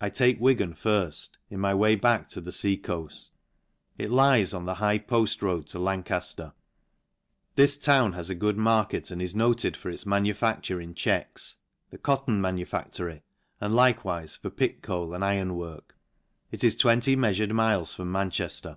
I take JVtgan firft, in my way back to the fea coaft: it lies on the high poft road to Lancq/ler. This town has a good market, and is noted for its manufacture in checks, the cotton manufactory, and likewife for pit coal, and iron work. It is 20 meafured miles from Manchester.